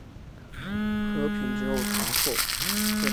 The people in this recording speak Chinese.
和平之后堂后。